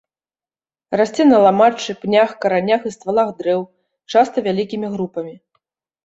Расце на ламаччы, пнях, каранях і ствалах дрэў, часта вялікімі групамі.